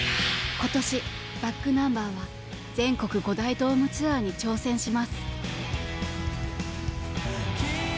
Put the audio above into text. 今年ｂａｃｋｎｕｍｂｅｒは全国５大ドームツアーに挑戦します。